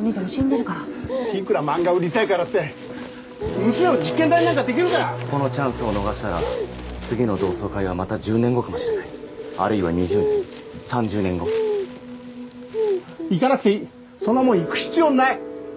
もう死んでるからいくら漫画売りたいからって娘を実験台なんかにできるかこのチャンスを逃したら次の同窓会はまた１０年後かもしれないあるいは２０年３０年後行かなくていいそんなもん行く必要ない